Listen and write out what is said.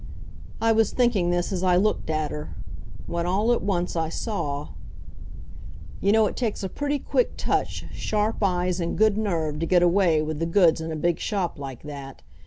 I was thinking this as I looked at her, when all at once I saw You know it takes a pretty quick touch, sharp eyes and good nerve to get away with the goods in a big shop like that.